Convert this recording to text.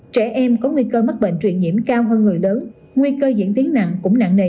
trẻ em có nguy cơ mắc bệnh truyền nhiễm cao hơn người lớn nguy cơ diễn tiến nặng cũng nặng nề